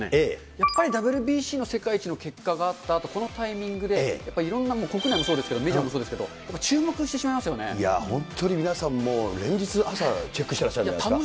やっぱりＷＢＣの世界一の結果があったあと、このタイミングで、いろんな国内もそうですけど、メジャーもそうですけど、注目し本当に皆さんもう、連日、朝、チェックしてらっしゃるんじゃないですか。